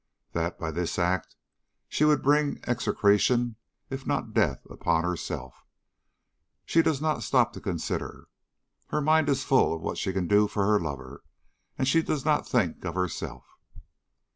That by this act she would bring execration if not death upon herself, she does not stop to consider. Her mind is full of what she can do for her lover, and she does not think of herself.